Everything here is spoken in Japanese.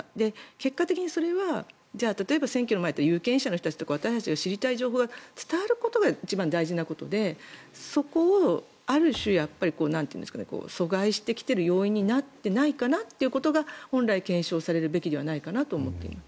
結果的にそれは例えば選挙の前に有権者とか私たちが知りたい情報が伝わることが一番、大事なことでそこをある種阻害してきている要因になっていないかなというのが本来検証されるべきではないかと思います。